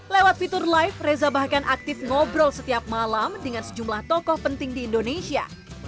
lewat fitur live reza bahkan aktif ngobrol setiap malam dengan sejumlah tokoh penting di indonesia